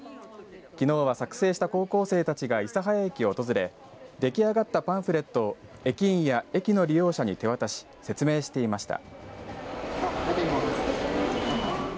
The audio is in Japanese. きのうは作成した高校生たちが諫早駅を訪れ出来上がったパンフレットを駅員や駅の利用者に手渡し説明していました。